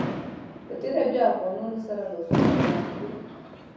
په تېره بیا افغانانو سره لاسونه ورکړي.